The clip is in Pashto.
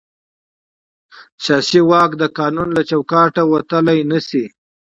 سیاسي واک د قانون له چوکاټه وتل نه شي